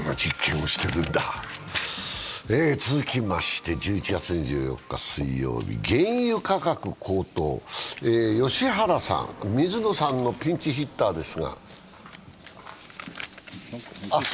続きました１１月２４日水曜日、原油価格高騰、良原さん、水野さんのピンチヒッターですが。